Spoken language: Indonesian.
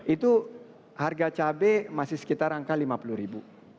itu harga cabai masih sekitar angka lima puluh ribu